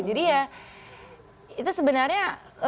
jadi ya itu sebenarnya